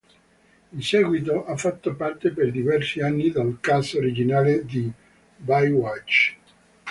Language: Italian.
In seguito ha fatto parte per diversi anni del cast originale di "Baywatch".